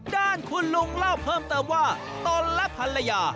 ด้านคุณลุงเล่าเพิ่มเติมว่าตนและภรรยา